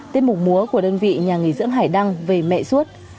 tiết mục múa của đơn vị nhà nghỉ dưỡng hải đăng về mẹ suốt